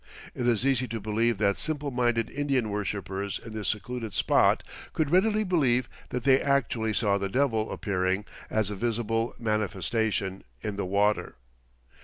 It is easy to believe that simple minded Indian worshipers in this secluded spot could readily believe that they actually saw the Devil appearing "as a visible manifestation" in the water.